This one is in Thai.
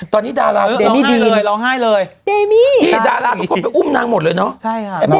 ตอนนี้ดาราลองไห้เลยพี่ดารากับคนไปอุ้มนางหมดเลยเนาะ